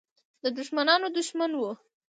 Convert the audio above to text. د دښمنانو دښمن وو.